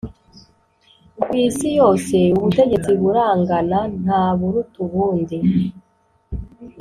Ku isi yose ubutegetsi burangana ntaburuta ubundi